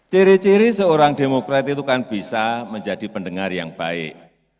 ciri ciri seorang demokrat itu kan bisa menjadi pendengar yang baik